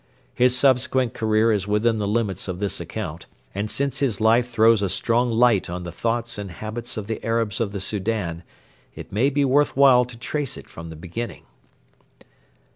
His subsequent career is within the limits of this account, and since his life throws a strong light on the thoughts and habits of the Arabs of the Soudan it may be worth while to trace it from the beginning.